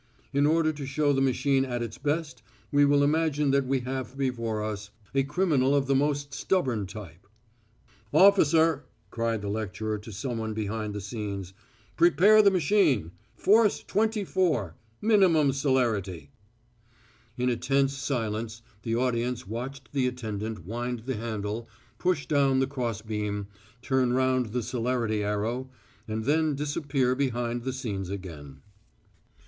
In order to show the machine at its best we will imagine that we have before us a criminal of the most stubborn type. 'Officer!'" cried the lecturer to someone behind the scenes. "'Prepare the machine, force 24, minimum celerity.'" In a tense silence the audience watched the attendant wind the handle, push down the cross beam, turn round the celerity arrow, and then disappear behind the scenes again.